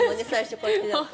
こうやって。